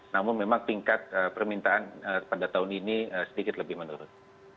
namun memang tingkat permintaan pada tahun ini sedikit lebih menurun